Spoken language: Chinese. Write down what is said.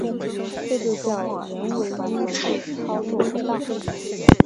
这就叫人为因素操作不当